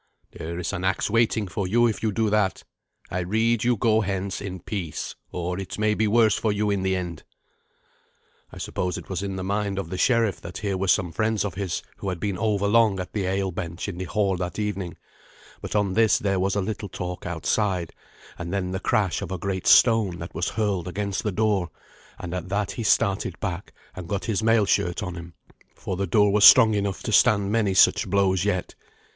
"There is an axe waiting for you if you do that. I rede you go hence in peace, or it may be worse for you in the end." I suppose it was in the mind of the sheriff that here were some friends of his who had been overlong at the ale bench in the hall that evening; but on this there was a little talk outside, and then the crash of a great stone that was hurled against the door; and at that he started back and got his mail shirt on him, for the door was strong enough to stand many such blows yet.